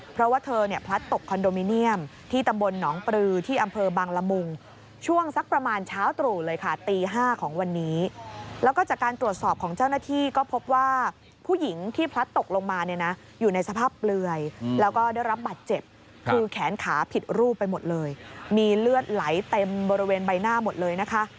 เพราะว่าเธอเนี่ยพลัดตกคอนโดมิเนียมที่ตำบลหนองปลือที่อำเภอบังละมุงช่วงสักประมาณเช้าตรู่เลยค่ะตี๕ของวันนี้แล้วก็จากการตรวจสอบของเจ้าหน้าที่ก็พบว่าผู้หญิงที่พลัดตกลงมาเนี่ยนะอยู่ในสภาพเปลือยแล้วก็ได้รับบัตรเจ็บคือแขนขาผิดรูปไปหมดเลยมีเลือดไหลเต็มบริเวณใบหน้าหมดเลยนะคะ